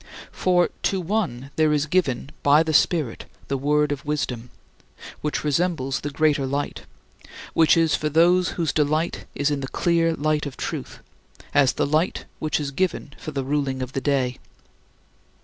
23. For "to one there is given by thy Spirit the word of wisdom" (which resembles the greater light which is for those whose delight is in the clear light of truth as the light which is given for the ruling of the day).